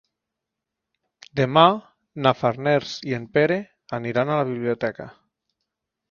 Demà na Farners i en Pere aniran a la biblioteca.